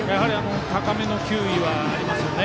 高めの球威はありますよね。